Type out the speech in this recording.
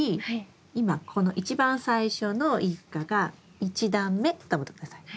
今この一番最初の一果が１段目と思って下さい。